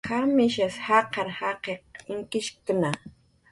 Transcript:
¿Qamishas jaqar jaqiq inkishkna?